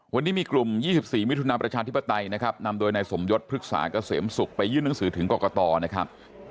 วันนี้มีกลุ่ม๒๔มิถุนาประชาธิปไตยนะครับนำโดยนายสมยศพฤกษาเกษมศุกร์ไปยื่นหนังสือถึงกรกตนะครับ